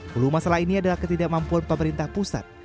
hulu masalah ini adalah ketidakmampuan pemerintah pusat